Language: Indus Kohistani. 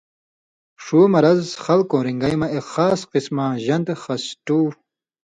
شُو مرض خلکؤں رِن٘گَیں مہ اېک خاص قسماں ژن٘د خسٹُو